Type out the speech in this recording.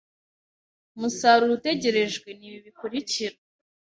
musaruro utegerejwe ni ibi bikurikira